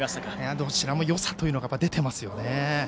どちらもよさが出ていますよね。